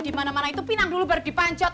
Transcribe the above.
di mana mana itu pinang dulu baru dipanjat